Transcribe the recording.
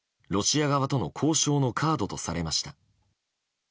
ロシア側との交渉のカードとされました。